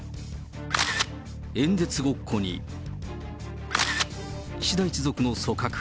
演説ごっこに、岸田一族の組閣。